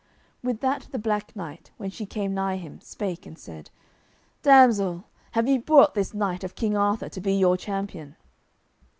With that the Black Knight, when she came nigh him, spake and said, "Damsel, have ye brought this knight of King Arthur to be your champion?"